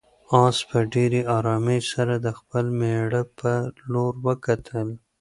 آس په ډېرې آرامۍ سره د خپل مېړه په لور وکتل.